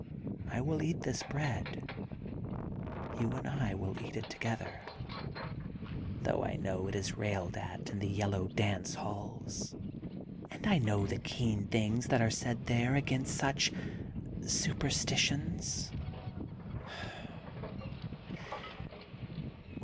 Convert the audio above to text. I will eat this bread, you and I will eat it together, though I know it is railed at in the Yellow Dance Halls, and I know the keen things that are said there against such superstitions.